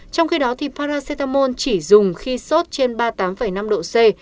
trong khi đó thì paracetamol chỉ dùng khi sốt trên ba mươi tám năm độ c